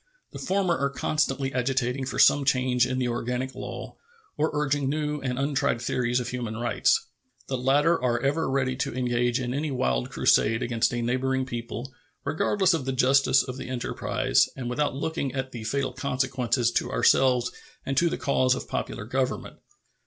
The former are constantly agitating for some change in the organic law, or urging new and untried theories of human rights. The latter are ever ready to engage in any wild crusade against a neighboring people, regardless of the justice of the enterprise and without looking at the fatal consequences to ourselves and to the cause of popular government.